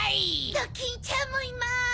ドキンちゃんもいます！